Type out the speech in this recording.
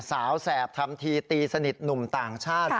แสบทำทีตีสนิทหนุ่มต่างชาติ